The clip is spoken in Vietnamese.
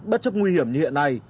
bất chấp nguy hiểm như hiện nay